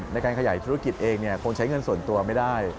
ในการขยายธุรกิจเองคงใช้เงินส่วนตัวไม่ได้